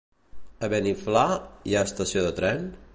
A Beniflà hi ha estació de tren?